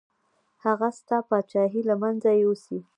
هغه ستا پاچاهي له منځه یوسي.